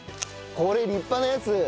これ立派なやつ。